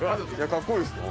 かっこいいな。